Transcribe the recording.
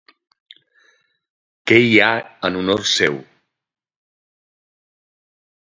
Què hi ha en honor seu?